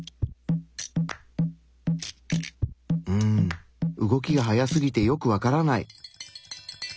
うん動きが速すぎてよくわからない。